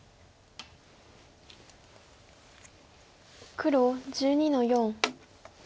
黒１２の四。